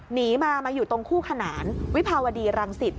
หนีมามาอยู่ตรงคู่ขนานวิภาวดีรังสิต